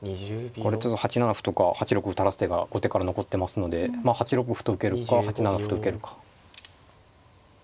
これちょっと８七歩とか８六歩垂らす手が後手から残ってますのでまあ８六歩と受けるか８七歩と受けるか。